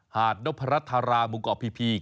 หาดนพรธารามุกอพิพี